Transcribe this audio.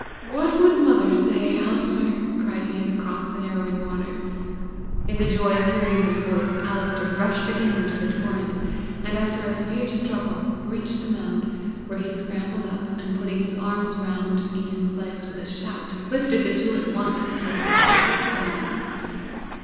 "What would mother say, Alister!" cried Ian across the narrowing water. In the joy of hearing his voice, Alister rushed again into the torrent; and, after a fierce struggle, reached the mound, where he scrambled up, and putting his arms round Ian's legs with a shout, lifted the two at once like a couple of babies.